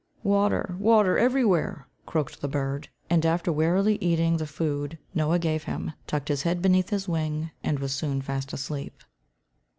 "Water, water, everywhere," croaked the bird, and after wearily eating the food Noah gave him, tucked his head beneath his wing and was soon fast asleep.